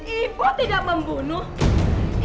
ibu tidak membunuh